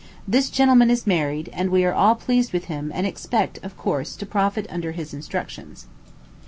This gentleman is married; and we are all pleased with him and expect, of course, to profit under his instructions.